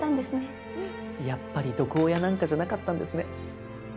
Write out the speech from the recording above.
やっぱり毒親なんかじゃなかったんですね。